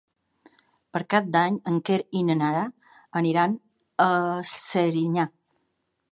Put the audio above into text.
Per Cap d'Any en Quer i na Nara aniran a Serinyà.